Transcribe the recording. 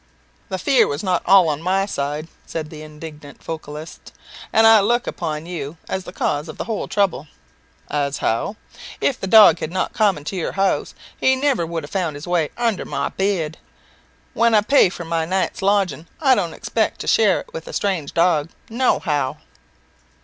"The fear was not all on my side," said the indignant vocalist; "and I look upon you as the cause of the whole trouble." "As how?" "If the dog had not cum to your house, he never would have found his way under my bed. When I pay for my night's lodging, I don't expect to have to share it with a strange dog no how."